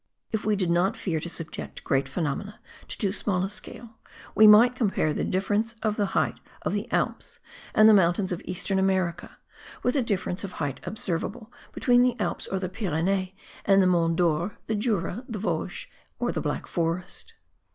If we did not fear to subject great phenomena to too small a scale, we might compare the difference of the height of the Alps and the mountains of eastern America, with the difference of height observable between the Alps or the Pyrenees, and the Monts Dores, the Jura, the Vosges or the Black Forest.